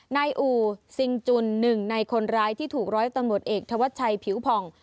นายอู่ซิงจุนหนึ่งในคนร้ายที่ถูกร้อยตำรวจเอกธวัชชัยผิวผ่อง